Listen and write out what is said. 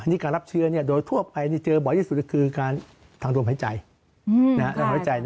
นี่การรับเชื้อนี้โดยทั่วไปเจอบ่อยที่สุดคือการทางรวมหายใจ